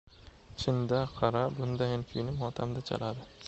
– Chin-da, qara, bundayin kuyni motamda chaladi.